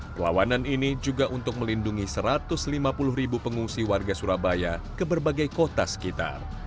perlawanan ini juga untuk melindungi satu ratus lima puluh ribu pengungsi warga surabaya ke berbagai kota sekitar